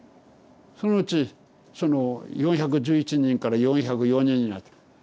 そのうちその４１１人から４０４人になった。